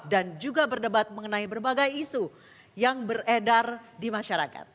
dan juga berdebat mengenai berbagai isu yang beredar di masyarakat